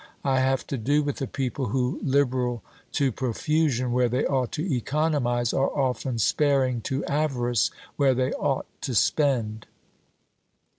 I have to do with a people who, liberal to profusion where they ought to economize, are often sparing to avarice where they ought to spend."